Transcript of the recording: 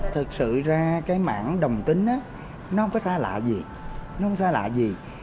thực sự ra cái mảng đồng tính á nó không có xa lạ gì nó không xa lạ gì